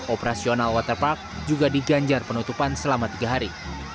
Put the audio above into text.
operasional waterpark juga diganjar penutupan selama tiga hari